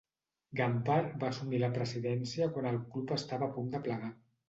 Gamper va assumir la presidència quan el club estava a punt de plegar.